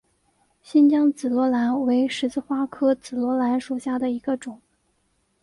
新疆紫罗兰为十字花科紫罗兰属下的一个种。